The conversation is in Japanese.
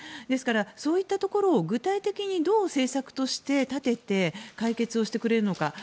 ですから、そういったところを具体的にどう政策として立てて解決をしていくのか。